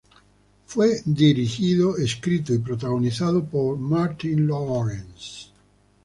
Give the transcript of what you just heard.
Fue dirigido, escrito y protagonizado por Martin Lawrence.